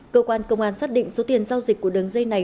cơ quan công an xác định số tiền giao dịch của đường dây này